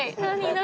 何？